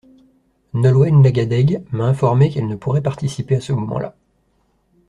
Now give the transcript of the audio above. Nolwenn Lagadeg m’a informé qu’elle ne pourrait participer à ce moment-là.